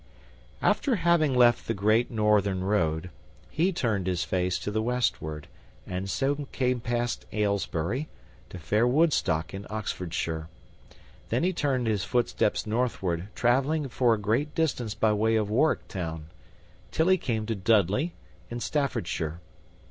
After having left the great northern road, he turned his face to the westward, and so came past Aylesbury, to fair Woodstock, in Oxfordshire. Thence he turned his footsteps northward, traveling for a great distance by way of Warwick Town, till he came to Dudley, in Staffordshire.